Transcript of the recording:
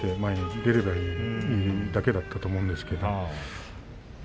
それだけだったと思うんですけれど。